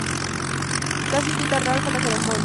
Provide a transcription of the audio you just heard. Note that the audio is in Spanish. Cassie invita a Ralph a la ceremonia.